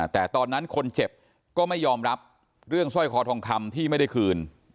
แต่ตอนนั้นคนเจ็บก็ไม่ยอมรับเรื่องสร้อยคอทองคำที่ไม่ได้คืน